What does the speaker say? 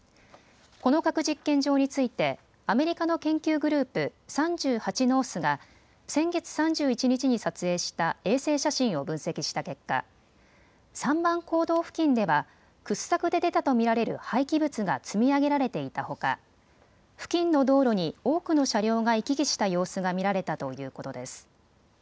この核実験場についてアメリカの研究グループ、３８ノースが先月３１日に撮影した衛星写真を分析した結果、３番坑道付近では掘削で出たと見られる廃棄物が積み上げられていたほか付近の道路に多くの車両が行き来した様子が見られたということです。